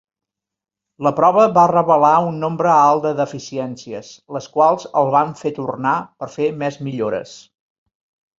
La prova va revelar un nombre alt de deficiències, les quals el van fer tornar per fer més millores.